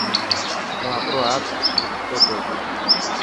هون آپرو آپ لکتو ٿو.